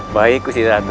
baik kusir ratu